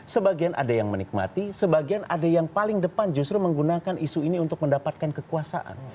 sebagian ada yang menikmati sebagian ada yang paling depan justru menggunakan isu ini untuk mendapatkan kekuasaan